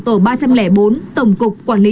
tổ ba trăm linh bốn tổng cục quản lý